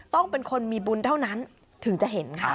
ต้องเป็นคนมีบุญเท่านั้นถึงจะเห็นค่ะ